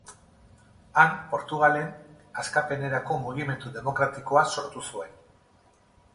Han, Portugalen Askapenerako Mugimendu Demokratikoa sortu zuen.